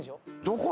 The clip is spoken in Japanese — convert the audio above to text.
どこ？